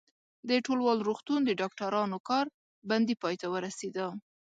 د ټولوال روغتون د ډاکټرانو کار بندي پای ته ورسېده.